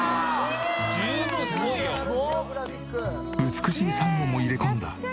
美しい珊瑚も入れ込んだ